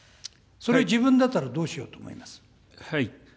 それを自分だったらどうしようと思いますか。